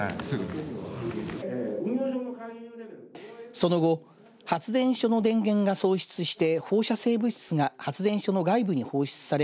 その後、発電所の電源が喪失して放射性物質が発電所の外部に放出され